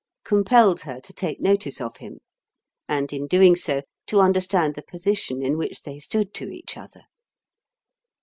compelled her to take notice of him, and, in doing so, to understand the position in which they stood to each other.